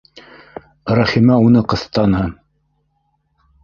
Рәхимә уны ҡыҫтаны: